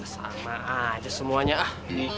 sama aja semuanya ah